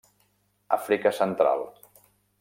Àfrica central.